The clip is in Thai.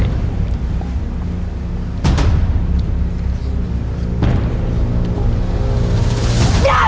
ขอบคุณครับ